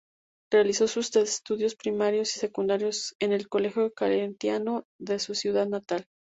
Realizó sus estudios primarios y secundarios en el Colegio Claretiano de su ciudad natal.